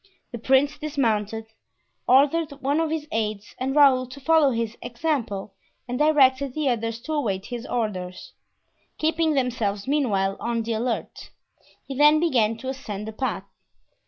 The prince dismounted, ordered one of his aids and Raoul to follow his example, and directed the others to await his orders, keeping themselves meanwhile on the alert. He then began to ascend the path.